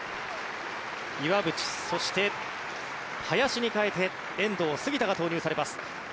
岩渕、そして林に代えて遠藤、杉田が投入されます。